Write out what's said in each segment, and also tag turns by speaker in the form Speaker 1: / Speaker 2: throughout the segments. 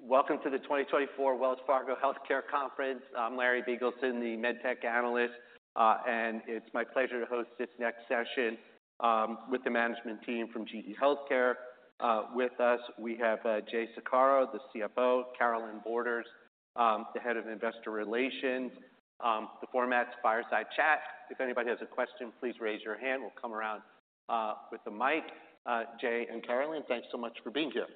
Speaker 1: Welcome to the 2024 Wells Fargo Healthcare Conference. I'm Larry Biegelsen, the med tech analyst, and it's my pleasure to host this next session with the management team from GE HealthCare. With us, we have Jay Saccaro, the CFO, Carolynne Borders, the head of Investor Relations. The format's fireside chat, If anybody has a question, please raise your hand. We'll come around with the mic. Jay and Carolynne, thanks so much for being here.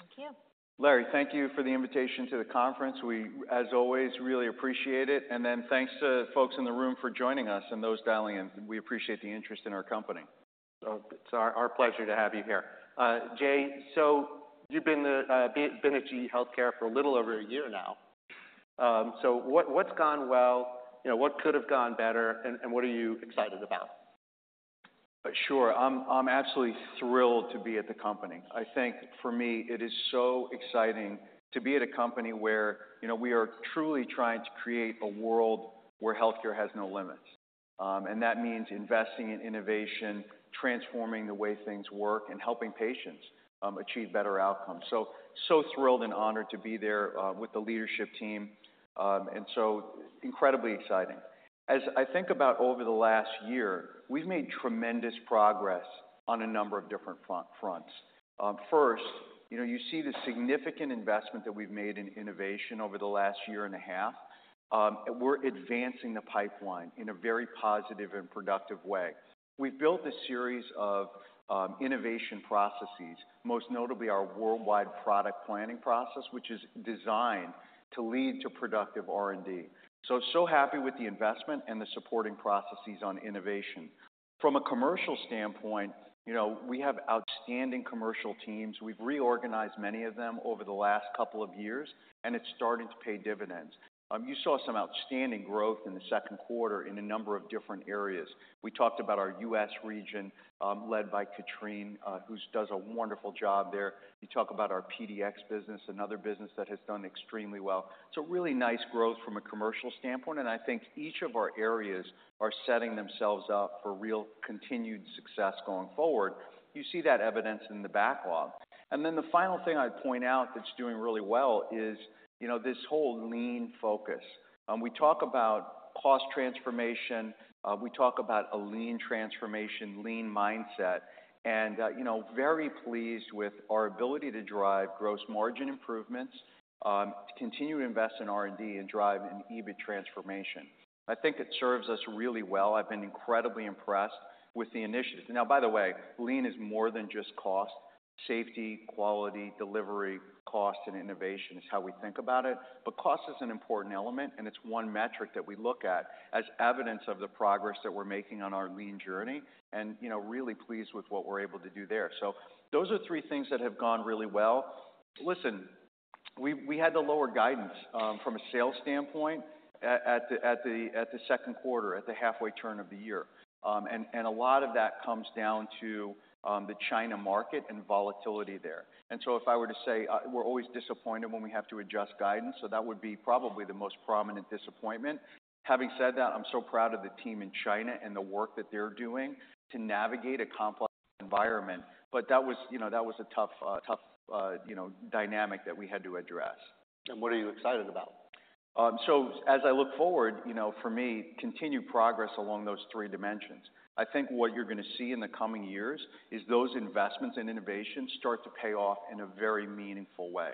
Speaker 2: Thank you.
Speaker 3: Larry, thank you for the invitation to the conference. We, as always, really appreciate it, and then thanks to the folks in the room for joining us and those dialing in. We appreciate the interest in our company. It's our pleasure to have you here. Jay, you've been at GE HealthCare for a little over a year now. What's gone well? You know, what could have gone better, and what are you excited about? Sure. I'm absolutely thrilled to be at the company. I think for me, it is so exciting to be at a company where, you know, we are truly trying to create a world where healthcare has no limits, and that means investing in innovation, transforming the way things work, and helping patients achieve better outcomes, so thrilled and honored to be there with the leadership team, and so incredibly exciting. As I think about over the last year, we've made tremendous progress on a number of different fronts. First, you know, you see the significant investment that we've made in innovation over the last year and a half. We're advancing the pipeline in a very positive and productive way. We've built a series of innovation processes, most notably our worldwide product planning process, which is designed to lead to productive R&D. So happy with the investment and the supporting processes on innovation. From a commercial standpoint, you know, we have outstanding commercial teams. We've reorganized many of them over the last couple of years, and it's starting to pay dividends. You saw some outstanding growth in the second quarter in a number of different areas. We talked about our US region, led by Catherine, who does a wonderful job there. You talk about our PDX business, another business that has done extremely well. So really nice growth from a commercial standpoint, and I think each of our areas are setting themselves up for real continued success going forward. You see that evidenced in the backlog. And then the final thing I'd point out that's doing really well is, you know, this whole lean focus. We talk about cost transformation, we talk about a lean transformation, lean mindset, and, you know, very pleased with our ability to drive gross margin improvements, to continue to invest in R&D and drive an EBIT transformation. I think it serves us really well. I've been incredibly impressed with the initiatives. Now, by the way, lean is more than just cost. Safety, quality, delivery, cost, and innovation is how we think about it. But cost is an important element, and it's one metric that we look at as evidence of the progress that we're making on our lean journey, and, you know, really pleased with what we're able to do there. So those are three things that have gone really well. Listen, we had to lower guidance from a sales standpoint at the second quarter, at the halfway turn of the year. And a lot of that comes down to the China market and volatility there. And so if I were to say, we're always disappointed when we have to adjust guidance, so that would be probably the most prominent disappointment. Having said that, I'm so proud of the team in China and the work that they're doing to navigate a complex environment. But that was, you know, that was a tough, tough, you know, dynamic that we had to address. What are you excited about? So as I look forward, you know, for me, continued progress along those three dimensions. I think what you're gonna see in the coming years is those investments in innovation start to pay off in a very meaningful way.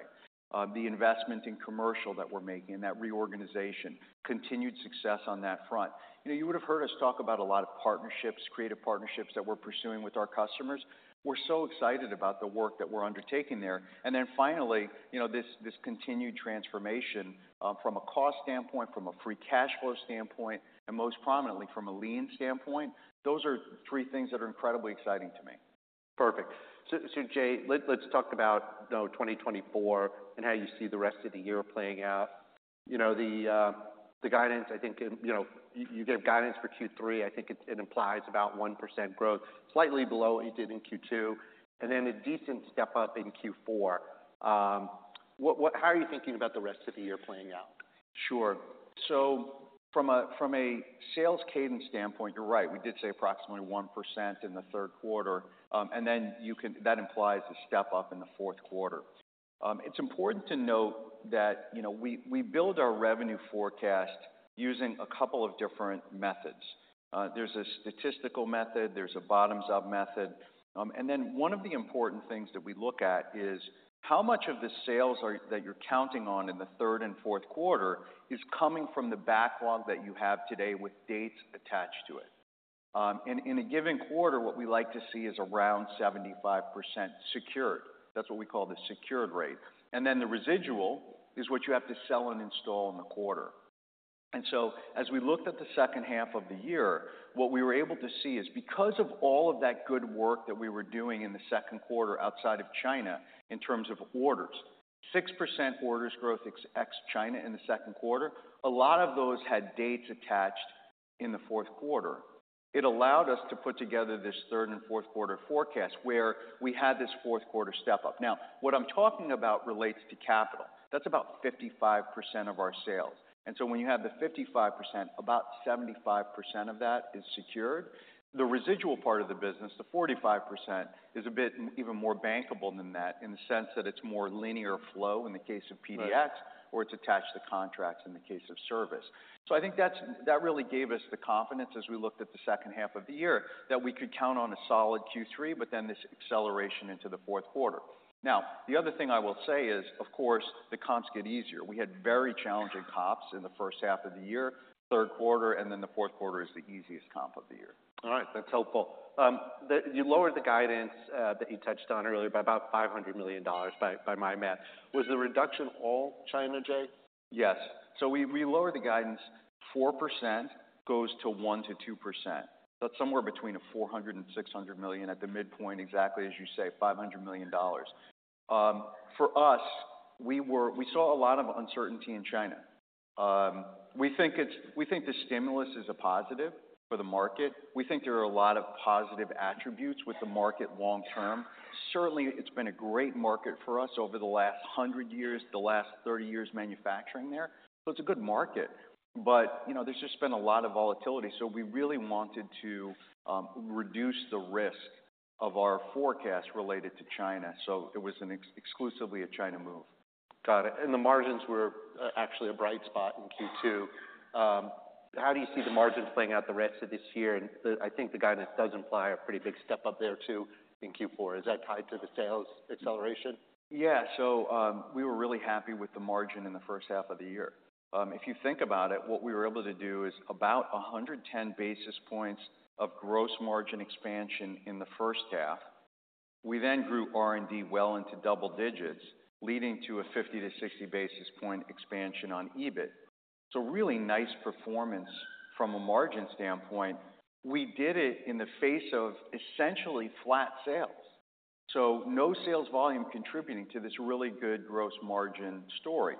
Speaker 3: The investment in commercial that we're making and that reorganization, continued success on that front. You know, you would have heard us talk about a lot of partnerships, creative partnerships that we're pursuing with our customers. We're so excited about the work that we're undertaking there, and then finally, you know, this continued transformation from a cost standpoint, from a free cash flow standpoint, and most prominently from a lean standpoint. Those are three things that are incredibly exciting to me. Perfect. So, Jay, let's talk about 2024 and how you see the rest of the year playing out. You know, the guidance, I think, you know, you gave guidance for Q3. I think it implies about 1% growth, slightly below what you did in Q2, and then a decent step up in Q4. How are you thinking about the rest of the year playing out? Sure. So from a sales cadence standpoint, you're right, we did say approximately 1% in the third quarter, and that implies a step up in the fourth quarter. It's important to note that, you know, we build our revenue forecast using a couple of different methods. There's a statistical method, there's a bottoms-up method, and then one of the important things that we look at is how much of the sales that you're counting on in the third and fourth quarter is coming from the backlog that you have today with dates attached to it. And in a given quarter, what we like to see is around 75% secured. That's what we call the secured rate. And then the residual is what you have to sell and install in the quarter. And so as we looked at the second half of the year, what we were able to see is, because of all of that good work that we were doing in the second quarter outside of China in terms of orders, 6% orders growth ex-China in the second quarter, a lot of those had dates attached in the fourth quarter. It allowed us to put together this third and fourth quarter forecast where we had this fourth quarter step up. Now, what I'm talking about relates to capital. That's about 55% of our sales. And so when you have the 55%, about 75% of that is secured. The residual part of the business, the 45%, is a bit even more bankable than that in the sense that it's more linear flow in the case of PDX. Right or it's attached to contracts in the case of service. So I think that's, that really gave us the confidence as we looked at the second half of the year, that we could count on a solid Q3, but then this acceleration into the fourth quarter. Now, the other thing I will say is, of course, the comps get easier. We had very challenging comps in the first half of the year, third quarter, and then the fourth quarter is the easiest comp of the year. All right, that's helpful. You lowered the guidance that you touched on earlier by about $500 million by my math. Was the reduction all China, Jay? Yes. So we lowered the guidance, 4% to 1%-2%. That's somewhere between $400 million and $600 million at the midpoint, exactly, as you say, $500 million. For us, we saw a lot of uncertainty in China. We think the stimulus is a positive for the market. We think there are a lot of positive attributes with the market long term. Certainly, it's been a great market for us over the last 100 years, the last 30 years, manufacturing there. So it's a good market, but, you know, there's just been a lot of volatility, so we really wanted to reduce the risk of our forecast related to China. So it was exclusively a China move. Got it. And the margins were actually a bright spot in Q2. How do you see the margins playing out the rest of this year? And the, I think the guidance does imply a pretty big step up there, too, in Q4. Is that tied to the sales acceleration? Yeah, so, we were really happy with the margin in the first half of the year. If you think about it, what we were able to do is about 110 basis points of gross margin expansion in the first half. We then grew R&D well into double digits, leading to a 50-60 basis point expansion on EBIT. So really nice performance from a margin standpoint. We did it in the face of essentially flat sales, so no sales volume contributing to this really good gross margin story.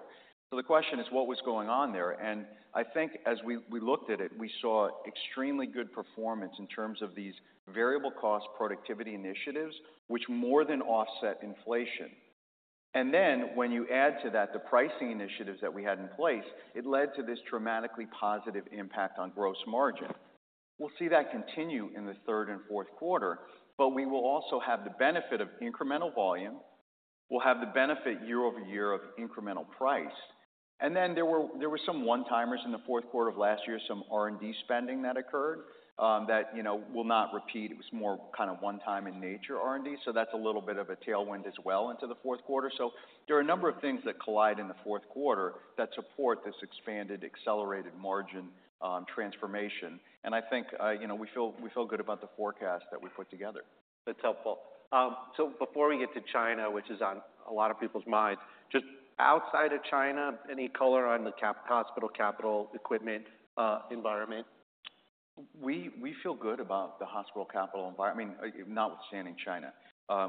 Speaker 3: So the question is, what was going on there? And I think as we looked at it, we saw extremely good performance in terms of these variable cost productivity initiatives, which more than offset inflation. And then when you add to that, the pricing initiatives that we had in place, it led to this dramatically positive impact on gross margin. We'll see that continue in the third and fourth quarter, but we will also have the benefit of incremental volume. We'll have the benefit year over year of incremental price. And then there were some one-timers in the fourth quarter of last year, some R&D spending that occurred, that, you know, will not repeat. It was more kind of one-time in nature R&D, so that's a little bit of a tailwind as well into the fourth quarter. So there are a number of things that collide in the fourth quarter that support this expanded, accelerated margin transformation. And I think, you know, we feel good about the forecast that we put together. That's helpful. So before we get to China, which is on a lot of people's minds, just outside of China, any color on the hospital capital equipment, environment? We feel good about the hospital capital environment, I mean, notwithstanding China.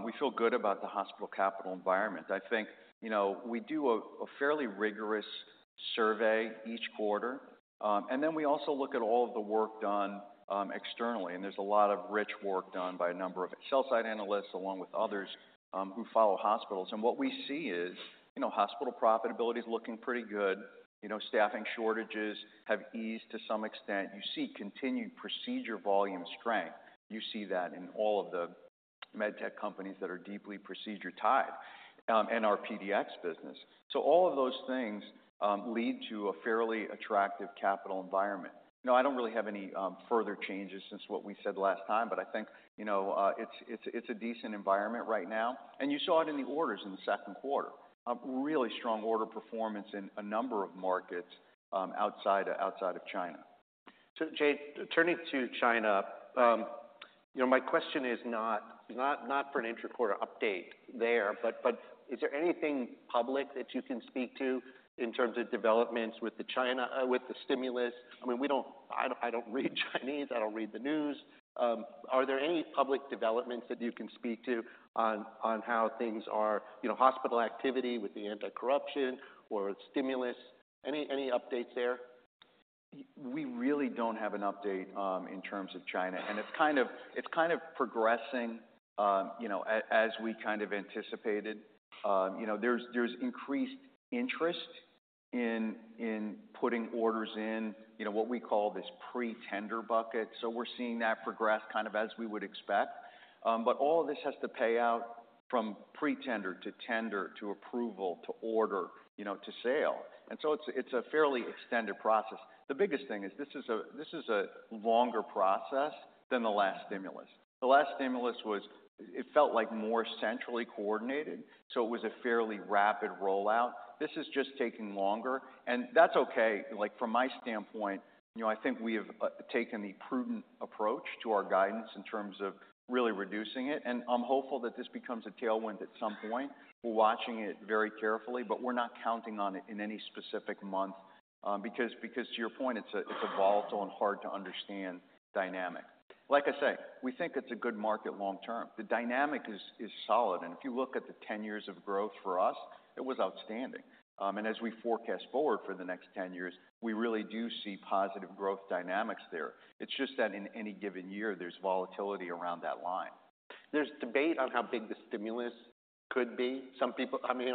Speaker 3: We feel good about the hospital capital environment. I think, you know, we do a fairly rigorous survey each quarter, and then we also look at all of the work done externally, and there's a lot of rich work done by a number of sell side analysts, along with others, who follow hospitals, and what we see is, you know, hospital profitability is looking pretty good. You know, staffing shortages have eased to some extent. You see continued procedure volume strength. You see that in all of the med tech companies that are deeply procedure-tied, and our PDX business, so all of those things lead to a fairly attractive capital environment. You know, I don't really have any further changes since what we said last time, but I think, you know, it's a decent environment right now, and you saw it in the orders in the second quarter. A really strong order performance in a number of markets outside of China. So Jay, turning to China, you know, my question is not for an interquarter update there, but is there anything public that you can speak to in terms of developments with China, with the stimulus? I mean, we don't... I don't read Chinese. I don't read the news. Are there any public developments that you can speak to on how things are, you know, hospital activity with the anti-corruption or stimulus? Any updates there? We really don't have an update in terms of China, and it's kind of progressing, you know, as we kind of anticipated. You know, there's increased interest in putting orders in, you know, what we call this pre-tender bucket, so we're seeing that progress kind of as we would expect. But all of this has to pay out from pre-tender to tender, to approval, to order, you know, to sale, and so it's a fairly extended process. The biggest thing is this is a longer process than the last stimulus. The last stimulus was; it felt like more centrally coordinated, so it was a fairly rapid rollout. This is just taking longer, and that's okay. Like, from my standpoint, you know, I think we have taken the prudent approach to our guidance in terms of really reducing it, and I'm hopeful that this becomes a tailwind at some point. We're watching it very carefully, but we're not counting on it in any specific month, because to your point, it's a volatile and hard to understand dynamic. Like I say, we think it's a good market long term. The dynamic is solid, and if you look at the ten years of growth for us, it was outstanding. And as we forecast forward for the next ten years, we really do see positive growth dynamics there. It's just that in any given year, there's volatility around that line.... There's debate on how big the stimulus could be. Some people, I mean,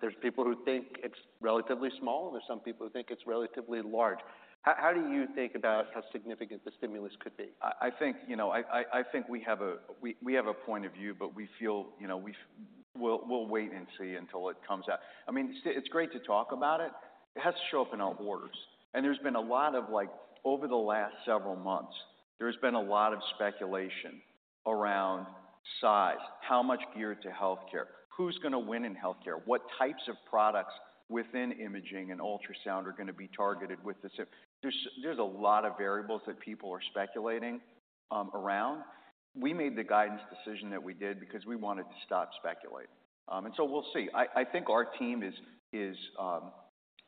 Speaker 3: there's people who think it's relatively small, and there's some people who think it's relatively large. How do you think about how significant the stimulus could be? I think, you know, we have a point of view, but we feel, you know, we'll wait and see until it comes out. I mean, it's great to talk about it. It has to show up in our orders. And there's been a lot of, like, over the last several months, there's been a lot of speculation around size, how much geared to healthcare, who's going to win in healthcare? What types of products within imaging and ultrasound are going to be targeted with this? There's a lot of variables that people are speculating around. We made the guidance decision that we did because we wanted to stop speculating. And so we'll see. I think our team is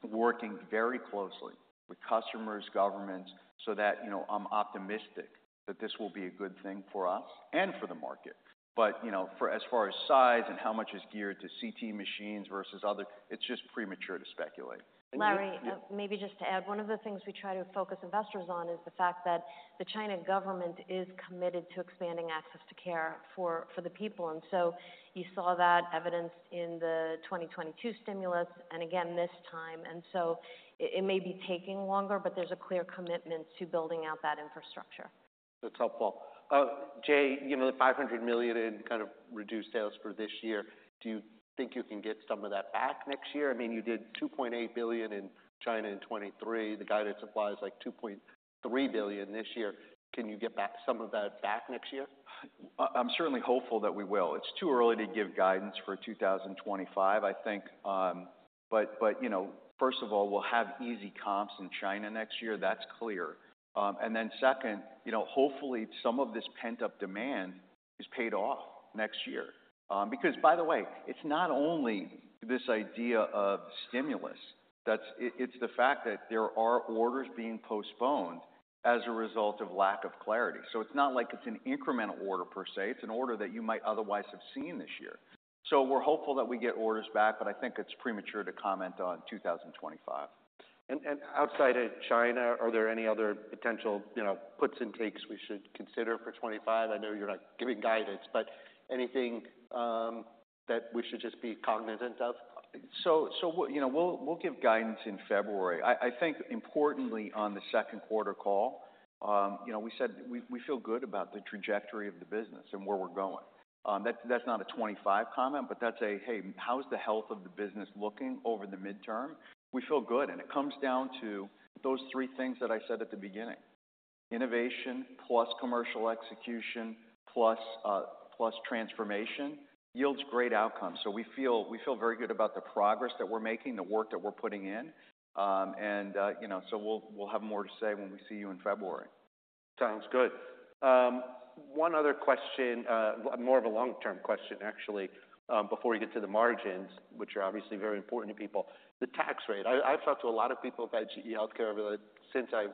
Speaker 3: working very closely with customers, governments, so that, you know, I'm optimistic that this will be a good thing for us and for the market. But, you know, for as far as size and how much is geared to CT machines versus other, it's just premature to speculate.
Speaker 2: Larry, maybe just to add, one of the things we try to focus investors on is the fact that the China government is committed to expanding access to care for the people, and so you saw that evidenced in the 2022 stimulus and again this time, and so it may be taking longer, but there's a clear commitment to building out that infrastructure. That's helpful. Jay, you know, the $500 million in kind of reduced sales for this year, do you think you can get some of that back next year? I mean, you did $2.8 billion in China in 2023. The guidance is like $2.3 billion this year. Can you get back some of that back next year?
Speaker 3: I, I'm certainly hopeful that we will. It's too early to give guidance for 2025, I think. But, you know, first of all, we'll have easy comps in China next year. That's clear. And then second, you know, hopefully, some of this pent-up demand is paid off next year. Because, by the way, it's not only this idea of stimulus, that's... It, it's the fact that there are orders being postponed as a result of lack of clarity. So it's not like it's an incremental order per se. It's an order that you might otherwise have seen this year. So we're hopeful that we get orders back, but I think it's premature to comment on 2025. Outside of China, are there any other potential, you know, puts and takes we should consider for 2025? I know you're not giving guidance, but anything that we should just be cognizant of? You know, we'll give guidance in February. I think importantly, on the second quarter call, you know, we said we feel good about the trajectory of the business and where we're going. That's not a 2025 comment, but that's a hey, how's the health of the business looking over the midterm? We feel good, and it comes down to those three things that I said at the beginning. Innovation plus commercial execution, plus transformation yields great outcomes. We feel very good about the progress that we're making, the work that we're putting in, and you know, we'll have more to say when we see you in February. Sounds good. One other question, more of a long-term question, actually, before we get to the margins, which are obviously very important to people, the tax rate. I've talked to a lot of people about GE HealthCare ever since I,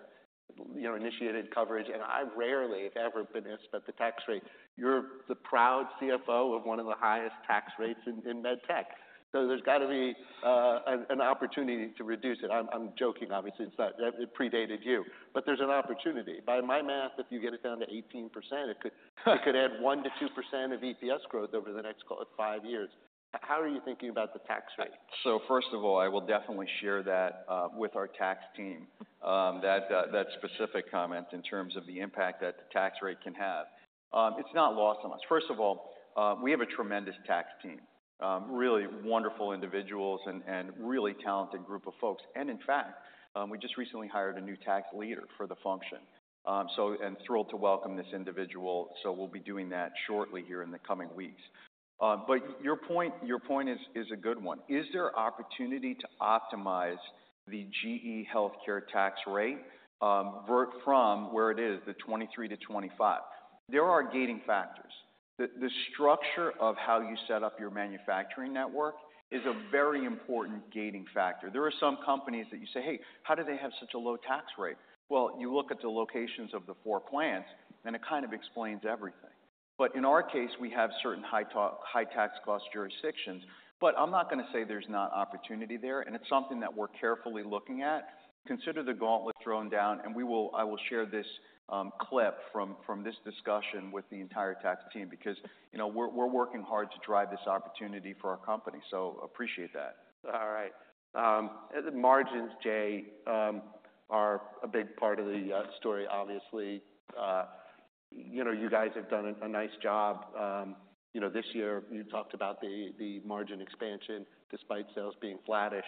Speaker 3: you know, initiated coverage, and I rarely, if ever, been asked about the tax rate. You're the proud CFO of one of the highest tax rates in med tech, so there's got to be an opportunity to reduce it. I'm joking obviously, it's not. It predated you, but there's an opportunity. By my math, if you get it down to 18%, it could add 1%-2% of EPS growth over the next five years. How are you thinking about the tax rate? So first of all, I will definitely share that with our tax team, that specific comment in terms of the impact that the tax rate can have. It's not lost on us. First of all, we have a tremendous tax team, really wonderful individuals and really talented group of folks. And in fact, we just recently hired a new tax leader for the function, so thrilled to welcome this individual. So we'll be doing that shortly here in the coming weeks. But your point is a good one. Is there opportunity to optimize the GE HealthCare tax rate, from where it is, the 23%-25%? There are gating factors. The structure of how you set up your manufacturing network is a very important gating factor. There are some companies that you say, "Hey, how do they have such a low tax rate?" Well, you look at the locations of the four plants, and it kind of explains everything. But in our case, we have certain high tax cost jurisdictions. But I'm not going to say there's not opportunity there, and it's something that we're carefully looking at. Consider the gauntlet thrown down, and we will, I will share this clip from this discussion with the entire tax team, because, you know, we're working hard to drive this opportunity for our company, so appreciate that. All right. The margins, Jay, are a big part of the story, obviously. You know, you guys have done a nice job. You know, this year, you talked about the margin expansion, despite sales being flattish.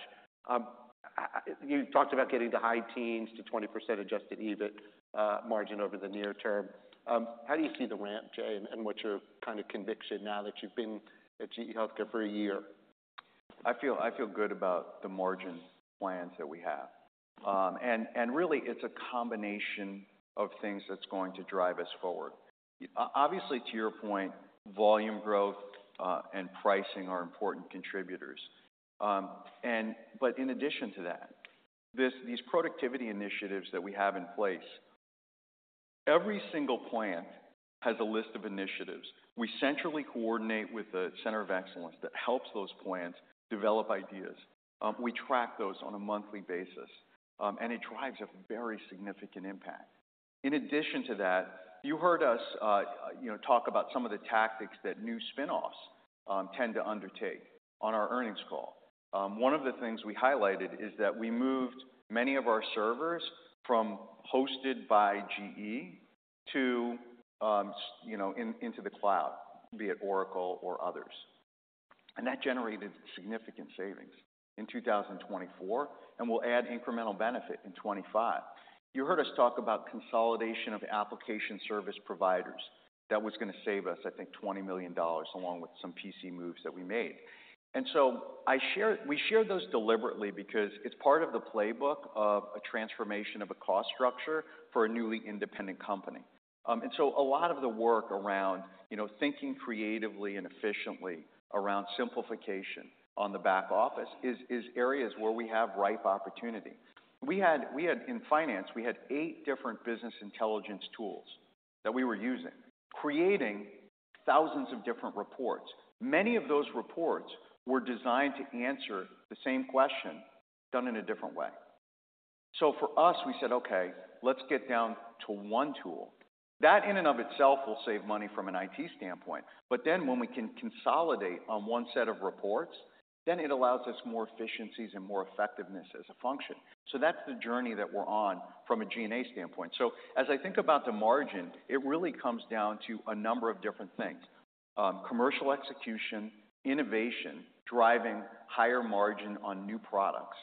Speaker 3: You talked about getting to high teens to 20% adjusted EBIT margin over the near term. How do you see the ramp, Jay, and what's your kind of conviction now that you've been at GE HealthCare for a year? I feel good about the margin plans that we have. And really, it's a combination of things that's going to drive us forward. Obviously, to your point, volume growth and pricing are important contributors. But in addition to that, these productivity initiatives that we have in place, every single plant has a list of initiatives. We centrally coordinate with the center of excellence that helps those plants develop ideas. We track those on a monthly basis, and it drives a very significant impact. In addition to that, you heard us, you know, talk about some of the tactics that new spin-offs tend to undertake on our earnings call. One of the things we highlighted is that we moved many of our servers from hosted by GE to, you know, into the cloud, be it Oracle or others. And that generated significant savings in 2024, and will add incremental benefit in 2025. You heard us talk about consolidation of application service providers, that was going to save us, I think, $20 million, along with some PC moves that we made. And so we share those deliberately because it's part of the playbook of a transformation of a cost structure for a newly independent company. And so a lot of the work around, you know, thinking creatively and efficiently around simplification on the back office is areas where we have ripe opportunity. In finance, we had eight different business intelligence tools that we were using, creating thousands of different reports. Many of those reports were designed to answer the same question, done in a different way. So for us, we said: Okay, let's get down to one tool. That, in and of itself, will save money from an IT standpoint. But then when we can consolidate on one set of reports, then it allows us more efficiencies and more effectiveness as a function. So that's the journey that we're on from a G&A standpoint. So as I think about the margin, it really comes down to a number of different things. Commercial execution, innovation, driving higher margin on new products,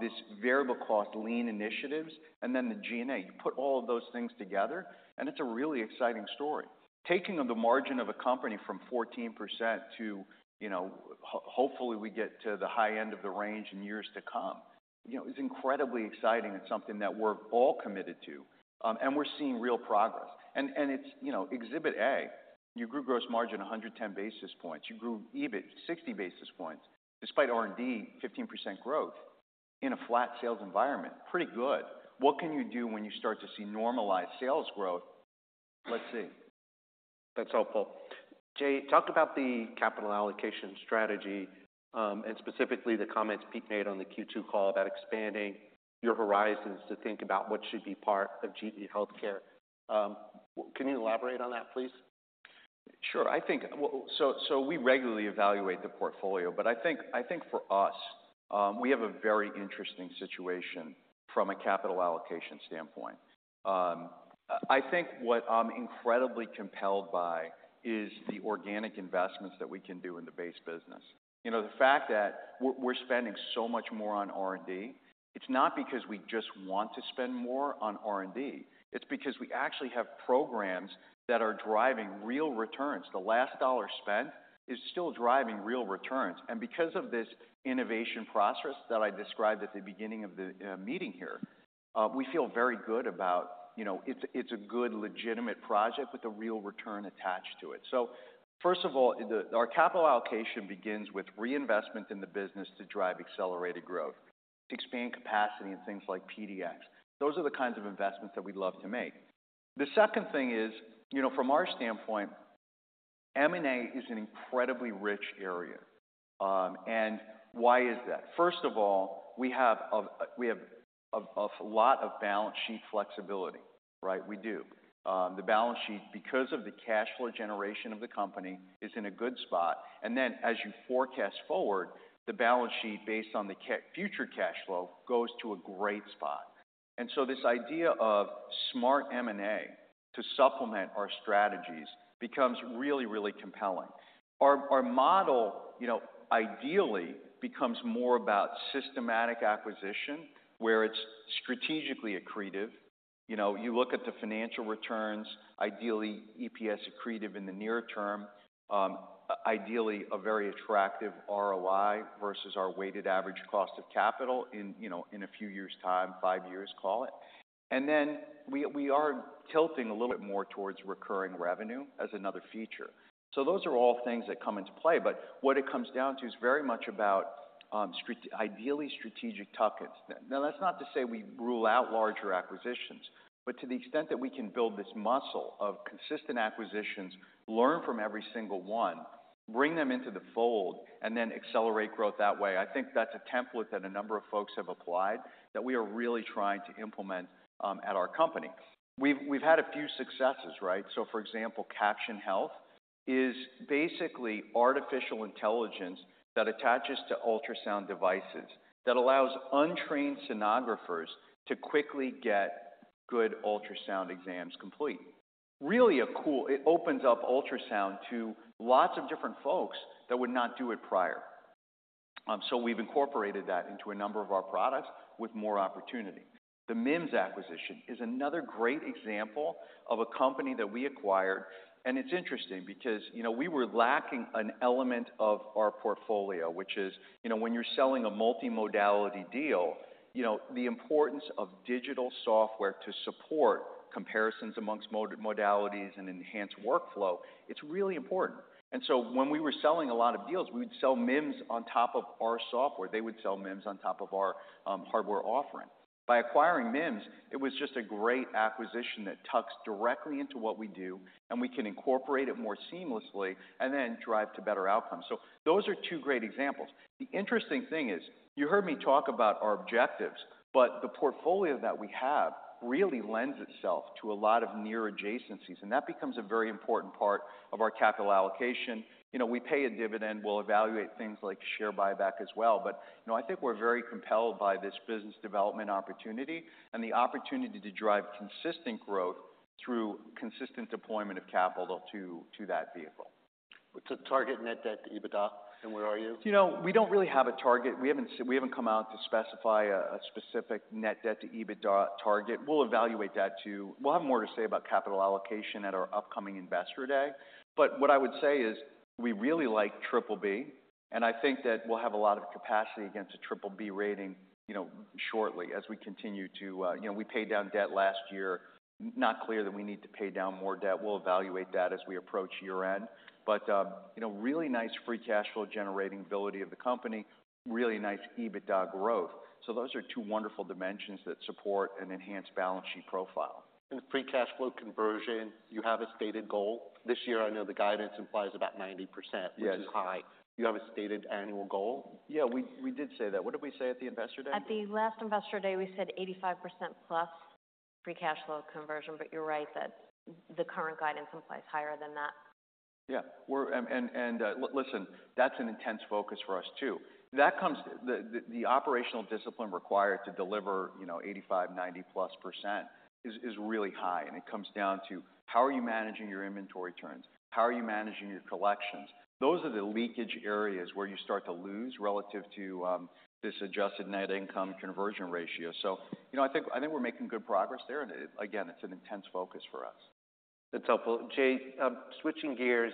Speaker 3: this variable cost lean initiatives, and then the G&A. You put all of those things together, and it's a really exciting story. Taking the margin of a company from 14% to, you know, hopefully, we get to the high end of the range in years to come. You know, it's incredibly exciting and something that we're all committed to, and we're seeing real progress. And it's, you know, exhibit A, you grew gross margin 110 basis points. You grew EBIT 60 basis points, despite R&D, 15% growth in a flat sales environment. Pretty good. What can you do when you start to see normalized sales growth? Let's see. That's helpful. Jay, talk about the capital allocation strategy, and specifically the comments Pete made on the Q2 call about expanding your horizons to think about what should be part of GE HealthCare. Can you elaborate on that, please? Sure. I think so we regularly evaluate the portfolio, but I think for us, we have a very interesting situation from a capital allocation standpoint. I think what I'm incredibly compelled by is the organic investments that we can do in the base business. You know, the fact that we're spending so much more on R&D, it's not because we just want to spend more on R&D. It's because we actually have programs that are driving real returns. The last dollar spent is still driving real returns. And because of this innovation process that I described at the beginning of the meeting here, we feel very good about. You know, it's a good, legitimate project with a real return attached to it. So first of all, our capital allocation begins with reinvestment in the business to drive accelerated growth, to expand capacity and things like PDX. Those are the kinds of investments that we'd love to make. The second thing is, you know, from our standpoint, M&A is an incredibly rich area. And why is that? First of all, we have a lot of balance sheet flexibility, right? We do. The balance sheet, because of the cash flow generation of the company, is in a good spot, and then as you forecast forward, the balance sheet, based on the future cash flow, goes to a great spot. And so this idea of smart M&A to supplement our strategies becomes really, really compelling. Our model, you know, ideally becomes more about systematic acquisition, where it's strategically accretive. You know, you look at the financial returns, ideally, EPS accretive in the near term, ideally, a very attractive ROI versus our weighted average cost of capital in, you know, in a few years' time, five years, call it. And then we are tilting a little bit more towards recurring revenue as another feature. So those are all things that come into play, but what it comes down to is very much about ideally strategic tuck-ins. Now, that's not to say we rule out larger acquisitions, but to the extent that we can build this muscle of consistent acquisitions, learn from every single one, bring them into the fold, and then accelerate growth that way. I think that's a template that a number of folks have applied that we are really trying to implement at our company. We've had a few successes, right? So for example, Caption Health is basically artificial intelligence that attaches to ultrasound devices, that allows untrained sonographers to quickly get good ultrasound exams complete. Really a cool... It opens up ultrasound to lots of different folks that would not do it prior. So we've incorporated that into a number of our products with more opportunity. The MIM acquisition is another great example of a company that we acquired, and it's interesting because, you know, we were lacking an element of our portfolio, which is, you know, when you're selling a multimodality deal, you know, the importance of digital software to support comparisons amongst modalities and enhance workflow, it's really important. And so when we were selling a lot of deals, we would sell MIM on top of our software. They would sell MIM on top of our hardware offering. By acquiring MIM, it was just a great acquisition that tucks directly into what we do, and we can incorporate it more seamlessly and then drive to better outcomes. So those are two great examples. The interesting thing is, you heard me talk about our objectives, but the portfolio that we have really lends itself to a lot of near adjacencies, and that becomes a very important part of our capital allocation. You know, we pay a dividend, we'll evaluate things like share buyback as well. But, you know, I think we're very compelled by this business development opportunity and the opportunity to drive consistent growth through consistent deployment of capital to that vehicle. What's the target net debt to EBITDA, and where are you? You know, we don't really have a target. We haven't come out to specify a specific net debt to EBITDA target. We'll evaluate that too. We'll have more to say about capital allocation at our upcoming Investor Day. But what I would say is, we really like triple B, and I think that we'll have a lot of capacity against a triple B rating, you know, shortly as we continue to, you know, we paid down debt last year. Not clear that we need to pay down more debt. We'll evaluate that as we approach year-end. But, you know, really nice free cash flow-generating ability of the company, really nice EBITDA growth. So those are two wonderful dimensions that support an enhanced balance sheet profile. And free cash flow conversion, you have a stated goal? This year, I know the guidance implies about 90%- Yes. which is high. Do you have a stated annual goal? Yeah, we did say that. What did we say at the Investor Day?
Speaker 2: At the last Investor Day, we said 85% plus free cash flow conversion, but you're right, that the current guidance implies higher than that.
Speaker 3: Yeah. We're and listen, that's an intense focus for us, too. That comes. The operational discipline required to deliver, you know, 85, 90-plus% is really high, and it comes down to how are you managing your inventory turns? How are you managing your collections? Those are the leakage areas where you start to lose relative to this adjusted net income conversion ratio. So you know, I think we're making good progress there, and again, it's an intense focus for us. That's helpful. Jay, switching gears,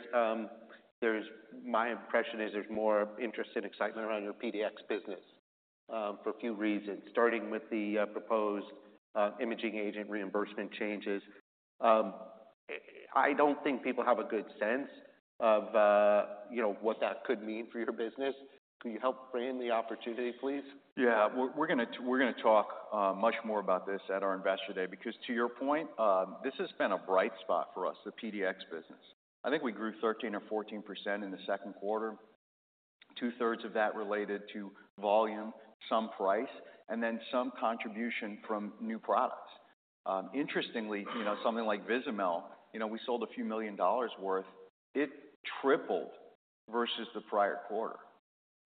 Speaker 3: my impression is there's more interest and excitement around your PDX business, for a few reasons, starting with the proposed imaging agent reimbursement changes. I don't think people have a good sense of, you know, what that could mean for your business. Can you help frame the opportunity, please? Yeah. We're gonna talk much more about this at our Investor Day, because to your point, this has been a bright spot for us, the PDX business. I think we grew 13% or 14% in the second quarter. Two-thirds of that related to volume, some price, and then some contribution from new products. Interestingly, you know, something like Vizamyl, you know, we sold a few million dollars' worth. It tripled versus the prior quarter.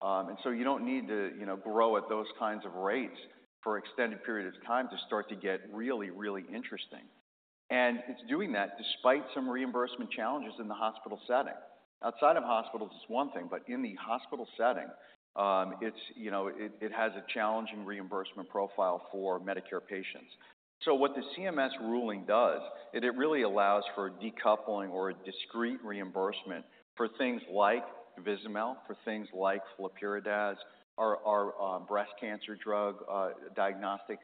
Speaker 3: And so you don't need to, you know, grow at those kinds of rates for extended periods of time to start to get really, really interesting. And it's doing that despite some reimbursement challenges in the hospital setting. Outside of hospitals is one thing, but in the hospital setting, it's, you know, it has a challenging reimbursement profile for Medicare patients. So what the CMS ruling does is it really allows for decoupling or a discrete reimbursement for things like Vizamyl, for things like Flurpiridaz, our breast cancer drug diagnostic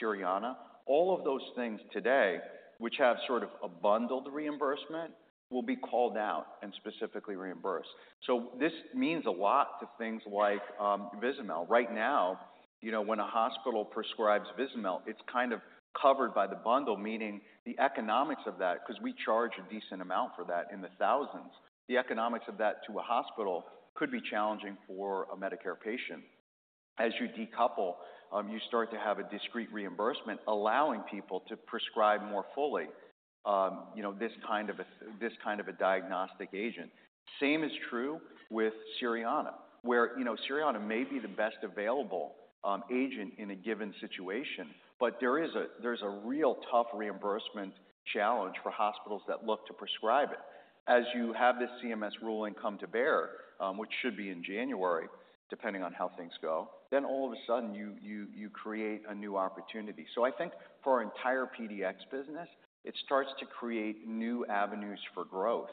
Speaker 3: Cerianna. All of those things today, which have sort of a bundled reimbursement, will be called out and specifically reimbursed. So this means a lot to things like Vizamyl. Right now, you know, when a hospital prescribes Vizamyl, it's kind of covered by the bundle, meaning the economics of that, because we charge a decent amount for that, in the thousands. The economics of that to a hospital could be challenging for a Medicare patient. As you decouple, you start to have a discrete reimbursement, allowing people to prescribe more fully, you know, this kind of a diagnostic agent. Same is true with Cerianna, where, you know, Cerianna may be the best available, agent in a given situation, but there is a, there's a real tough reimbursement challenge for hospitals that look to prescribe it. As you have this CMS ruling come to bear, which should be in January, depending on how things go, then all of a sudden, you create a new opportunity. So I think for our entire PDX business, it starts to create new avenues for growth,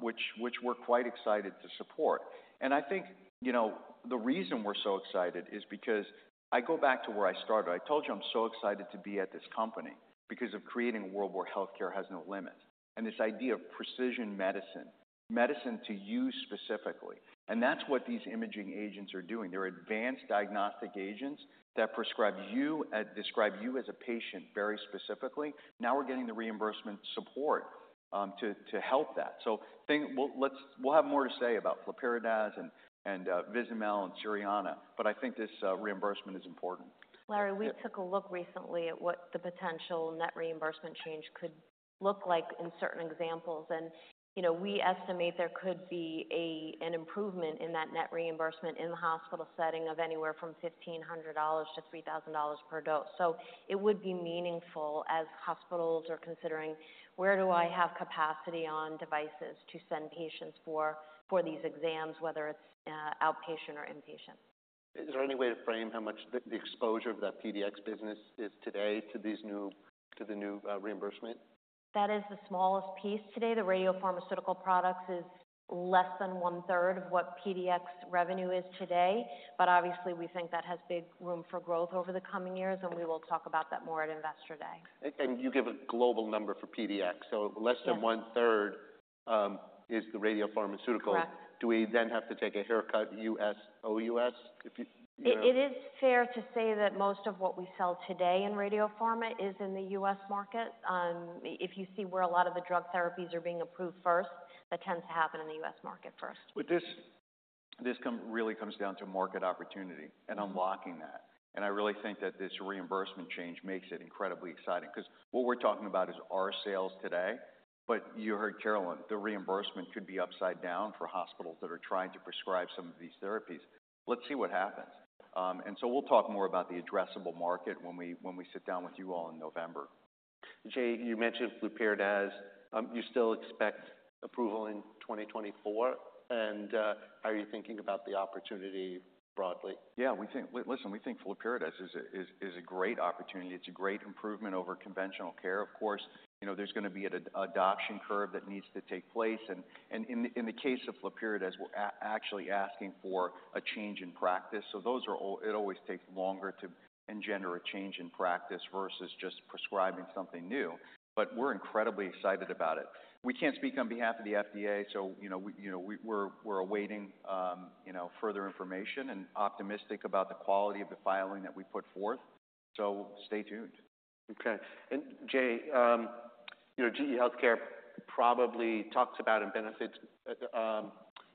Speaker 3: which, which we're quite excited to support. And I think, you know, the reason we're so excited is because I go back to where I started. I told you I'm so excited to be at this company because of creating a world where healthcare has no limit. And this idea of precision medicine, medicine to you specifically. And that's what these imaging agents are doing. They're advanced diagnostic agents that prescribe you, describe you as a patient very specifically. Now we're getting the reimbursement support to help that. So, we'll have more to say about Flurpiridaz and Vizamyl and Cerianna, but I think this reimbursement is important.
Speaker 2: Larry, we took a look recently at what the potential net reimbursement change could look like in certain examples, and you know, we estimate there could be a, an improvement in that net reimbursement in the hospital setting of anywhere from $1,500-$3,000 per dose. So it would be meaningful as hospitals are considering: Where do I have capacity on devices to send patients for these exams, whether it's outpatient or inpatient? Is there any way to frame how much the exposure of that PDX business is today to the new reimbursement? That is the smallest piece today. The radiopharmaceutical products is less than one-third of what PDX revenue is today, but obviously, we think that has big room for growth over the coming years, and we will talk about that more at Investor Day. You give a global number for PDX. Yeah. Less than one-third is the radiopharmaceutical. Correct. Do we then have to take a haircut, US, OUS? If you, you know- It is fair to say that most of what we sell today in radiopharma is in the US market. If you see where a lot of the drug therapies are being approved first, that tends to happen in the US market first.
Speaker 3: But this really comes down to market opportunity and unlocking that. And I really think that this reimbursement change makes it incredibly exciting because what we're talking about is our sales today, but you heard Carolyn, the reimbursement could be upside down for hospitals that are trying to prescribe some of these therapies. Let's see what happens. And so we'll talk more about the addressable market when we sit down with you all in November. Jay, you mentioned Flurpiridaz. Do you still expect approval in twenty twenty-four? And, are you thinking about the opportunity broadly? Yeah, we think. Listen, we think flurpiridaz is a great opportunity. It's a great improvement over conventional care. Of course, you know, there's going to be an adoption curve that needs to take place, and in the case of flurpiridaz, we're actually asking for a change in practice. So it always takes longer to engender a change in practice versus just prescribing something new. But we're incredibly excited about it. We can't speak on behalf of the FDA, so you know, we're awaiting, you know, further information and optimistic about the quality of the filing that we put forth. So stay tuned. Okay. And Jay, you know, GE HealthCare probably talks about and benefits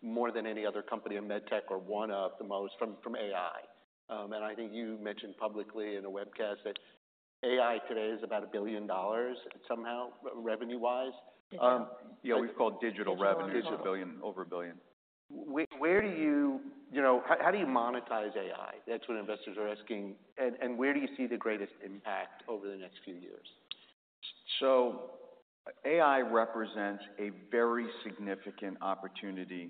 Speaker 3: more than any other company in med tech or one of the most from AI. And I think you mentioned publicly in a webcast that AI today is about $1 billion somehow, revenue-wise. Yeah, we call it digital revenue.
Speaker 2: Digital.
Speaker 3: It's $1 billion, over $1 billion. Where do you... You know, how do you monetize AI? That's what investors are asking, and where do you see the greatest impact over the next few years? AI represents a very significant opportunity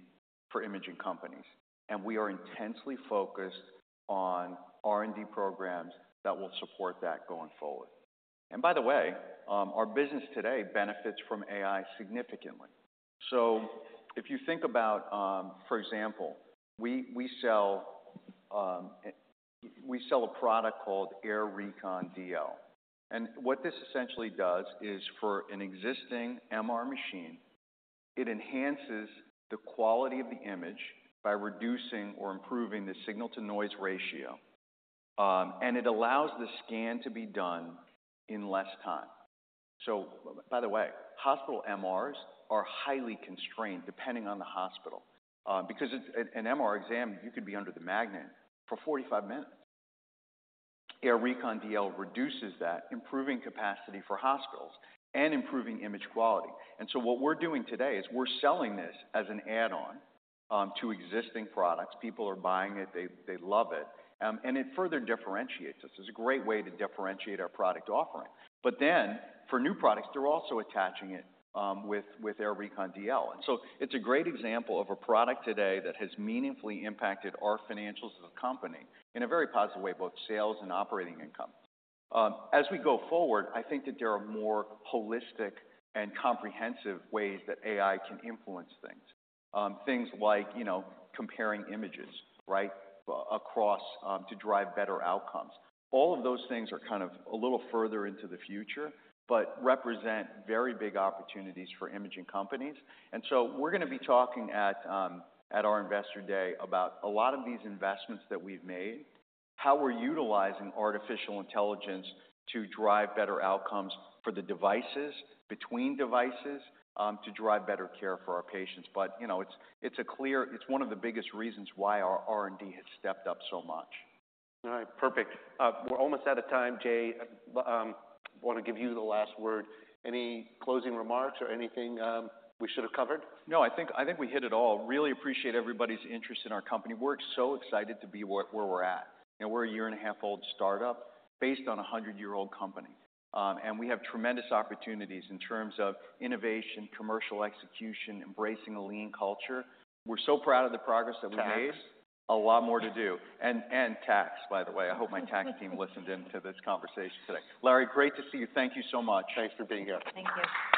Speaker 3: for imaging companies, and we are intensely focused on R&D programs that will support that going forward. By the way, our business today benefits from AI significantly. If you think about, for example, we sell a product called AIR Recon DL. What this essentially does is for an existing MR machine, it enhances the quality of the image by reducing or improving the signal-to-noise ratio, and it allows the scan to be done in less time. By the way, hospital MRs are highly constrained, depending on the hospital. Because it's an MR exam, you could be under the magnet for 45 minutes. AIR Recon DL reduces that, improving capacity for hospitals and improving image quality. What we're doing today is we're selling this as an add-on to existing products. People are buying it; they love it. And it further differentiates us. It's a great way to differentiate our product offering. Then for new products, they're also attaching it with AIR Recon DL. It's a great example of a product today that has meaningfully impacted our financials as a company in a very positive way, both sales and operating income. As we go forward, I think that there are more holistic and comprehensive ways that AI can influence things. Things like, you know, comparing images, right? Across to drive better outcomes. All of those things are kind of a little further into the future, but represent very big opportunities for imaging companies. And so we're going to be talking at our Investor Day about a lot of these investments that we've made, how we're utilizing artificial intelligence to drive better outcomes for the devices, between devices, to drive better care for our patients. But, you know, it's a clear... It's one of the biggest reasons why our R&D has stepped up so much. All right, perfect. We're almost out of time, Jay. I want to give you the last word. Any closing remarks or anything, we should have covered? No, I think, I think we hit it all. Really appreciate everybody's interest in our company. We're so excited to be where we're at. You know, we're a year-and-a-half-old startup based on a hundred-year-old company, and we have tremendous opportunities in terms of innovation, commercial execution, embracing a lean culture. We're so proud of the progress that we made. Tax. A lot more to do, and tax, by the way. I hope my tax team listened in to this conversation today. Larry, great to see you. Thank you so much. Thanks for being here.
Speaker 2: Thank you.